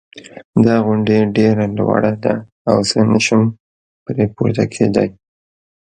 دا غونډی ډېره لوړه ده او زه نه شم پری پورته کېدای